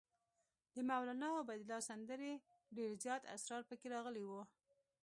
د مولنا عبیدالله سندي ډېر زیات اسرار پکې راغلي وو.